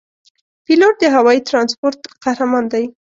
پیلوټ د هوايي ترانسپورت قهرمان دی.